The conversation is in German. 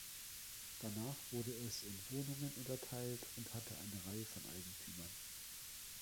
Danach wurde es in Wohnungen unterteilt und hatte eine Reihe von Eigentümern.